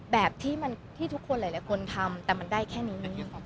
แบบที่ทุกคนหลายคนทำแต่มันได้แค่นี้